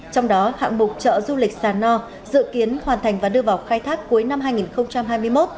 trong đó hạng mục chợ du lịch sà no dự kiến hoàn thành và đưa vào khai thác cuối năm hai nghìn hai mươi một